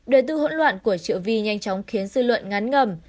đời tư hỗn loạn của triệu vi nhanh chóng khiến dư luận ngắn ngầm